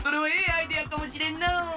アイデアかもしれんのう。